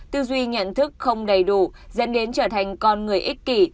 tư duy nhận thức không đầy đủ dẫn đến trở thành con người ích kỷ